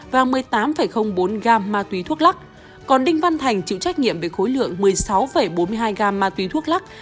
và một mươi tám bốn gram ma túy thuốc lắc còn đinh văn thành chịu trách nhiệm về khối lượng một mươi sáu bốn mươi hai gam ma túy thuốc lắc